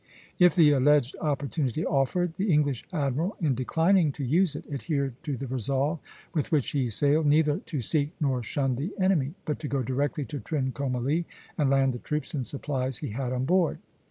If the alleged opportunity offered, the English admiral in declining to use it adhered to the resolve, with which he sailed, neither to seek nor shun the enemy, but to go directly to Trincomalee and land the troops and supplies he had on board.